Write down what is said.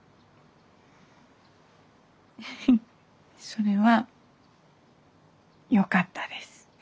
フフそれはよかったです。